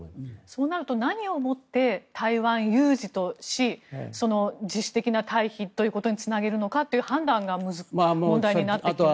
そうなると何を持って台湾有事とし自主的な退避ということにつなげるかというのが問題になってきますね。